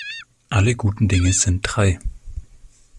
Alle guten Dinge sind drei.